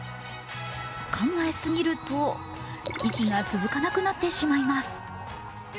考えすぎると息が続かなくなってしまいます。